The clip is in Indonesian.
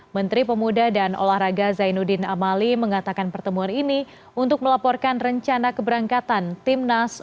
menteri pemuda dan olahraga zainuddin amali mengatakan pertemuan ini untuk melaporkan rencana keberangkatan timnas